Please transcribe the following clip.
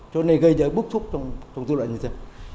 cho nên gây ra bức xúc trong du lịch như thế